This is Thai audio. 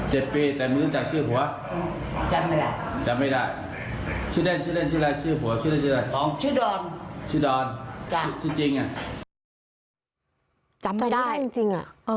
ชื่อหัวชื่อแดนชื่อแดนชื่อดอนชื่อดอนชื่อจริงจำไม่ได้จริงอ่ะ